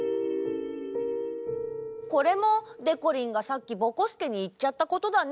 これもでこりんがさっきぼこすけにいっちゃったことだね。